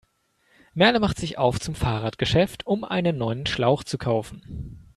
Merle macht sich auf zum Fahrradgeschäft, um einen neuen Schlauch zu kaufen.